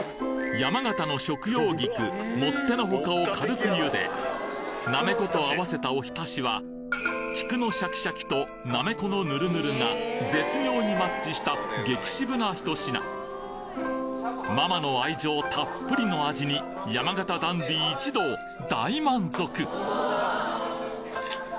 山形の食用菊もってのほかを軽く茹でなめこと合わせたおひたしは菊のシャキシャキとなめこのぬるぬるが絶妙にマッチした激渋な一品ママの愛情たっぷりの味に山形ダンディ一同大満足！